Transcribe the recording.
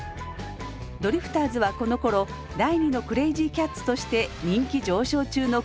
ドリフターズはこのころ第２のクレージーキャッツとして人気上昇中のコミックバンド。